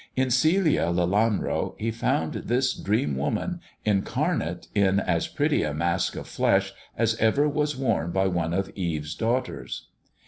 In Celia Lelanro he found this 'dream woman, incarnate in as pretty a mask of flesh as ever was worn by one of Eve*s daughters.